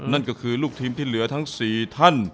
นั่นก็คือลูกทีมที่เหลือทั้ง๔ท่าน